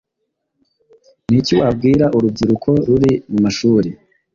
ni iki wabwira urubyiruko ruri mu mashuri?